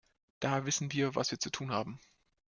Daher wissen wir, was wir zu tun haben.